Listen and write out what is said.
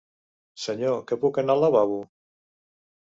Senyo, que puc anar al lavabo?